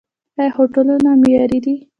آیا هوټلونه معیاري دي؟